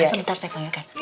sebentar saya pelayakan